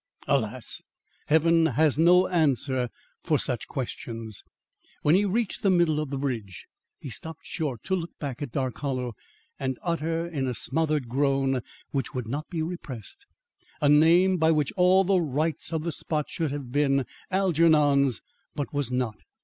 Alas! Heaven has no answer for such questions. When he had reached the middle of the bridge, he stopped short to look back at Dark Hollow and utter in a smothered groan, which would not be repressed, a name which by all the rights of the spot should have been Algernon's, but was not.